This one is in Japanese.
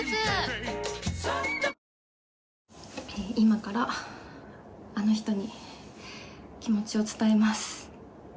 今からあの人に気持ちを伝えます。